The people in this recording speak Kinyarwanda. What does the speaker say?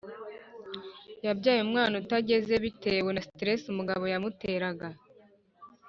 Yabyaye umwana utageze bitewe na stress umugabo yamuteraga